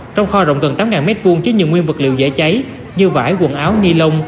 trong kho rộng gần tám m hai chứa nhiều nguyên vật liệu dễ cháy như vải quần áo nilon